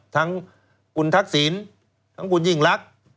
ทั้งคุณทักษิณทั้งคุณยิ่งรัก